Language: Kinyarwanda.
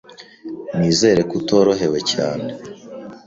Nizere ko utorohewe cyane.